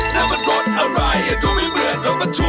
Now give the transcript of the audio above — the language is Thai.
นั่นมันรถอะไรอย่าดูไม่เหมือนรถประทุกข์